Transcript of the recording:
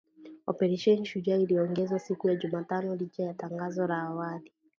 Operesheni Shujaa iliongezwa siku ya Jumatano licha ya tangazo la awali